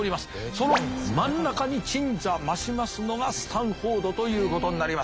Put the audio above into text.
その真ん中に鎮座ましますのがスタンフォードということになります。